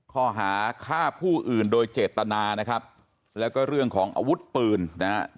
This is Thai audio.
ข้อหาฆ่าผู้อื่นโดยเจตนานะครับแล้วก็เรื่องของอาวุธปืนนะฮะ